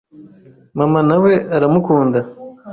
Mama na we aramukunda